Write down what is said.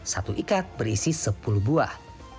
satu ikat berisi sepuluh buah